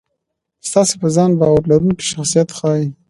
ستاسې په ځان باور لرونکی شخصیت ښي.